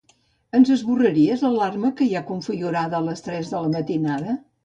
Ens esborraries l'alarma que hi ha configurada a les tres de la matinada?